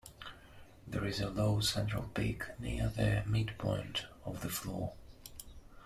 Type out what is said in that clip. There is a low central peak near the midpoint of the floor.